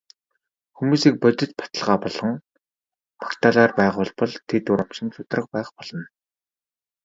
Хүмүүсийг бодит баталгаа болон магтаалаар байгуулбал тэд урамшин шударга байх болно.